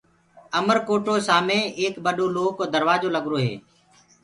اُمرو ڪوٽو سآمي ايڪ ٻڏو لوه ڪو دروآجو لگروئي